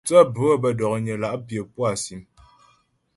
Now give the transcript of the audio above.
Thə́ bhə̌ bə́ dɔ̀knyə la' pyə̌ pú á sìm.